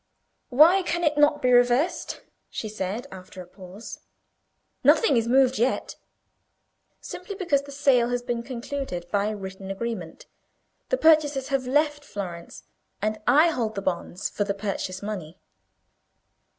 "Why can it not be reversed?" she said, after a pause. "Nothing is moved yet." "Simply because the sale has been concluded by written agreement; the purchasers have left Florence, and I hold the bonds for the purchase money."